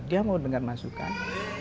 dia mau dengar masukan